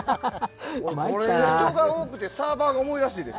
人が多くてサーバーが重いらしいです。